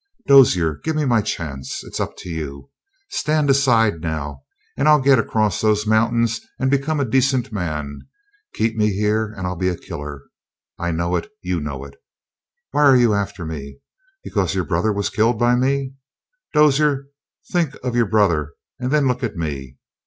"Dozier, give me my chance. It's up to you. Stand aside now, and I'll get across those mountains and become a decent man. Keep me here, and I'll be a killer. I know it; you know it. Why are you after me? Because your brother was killed by me. Dozier, think of your brother and then look at me.